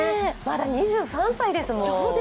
まだ２３歳ですもん。